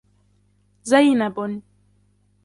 زينب